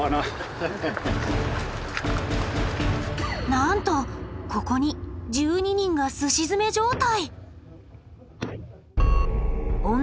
なんとここに１２人がすし詰め状態！